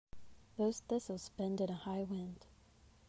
Those thistles bend in a high wind.